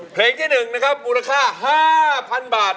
เพลงที่๑นะครับมูลค่า๕๐๐๐บาท